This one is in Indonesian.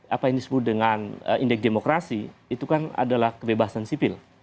apa yang disebut dengan indeks demokrasi itu kan adalah kebebasan sipil